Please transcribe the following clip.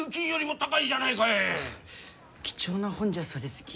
貴重な本じゃそうですき。